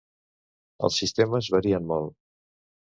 Els sistemes varien molt.